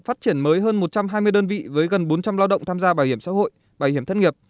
phát triển mới hơn một trăm hai mươi đơn vị với gần bốn trăm linh lao động tham gia bảo hiểm xã hội bảo hiểm thất nghiệp